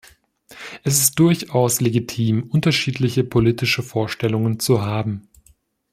Es ist durchaus legitim, unterschiedliche politische Vorstellungen zu haben.